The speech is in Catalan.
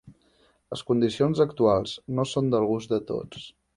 Les condicions actuals no són del gust de tots.